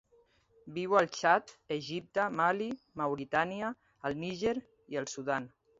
Viu al Txad, Egipte, Mali, Mauritània, el Níger i el Sudan.